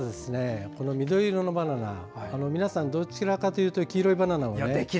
皆さんどちらかというと黄色いバナナをね。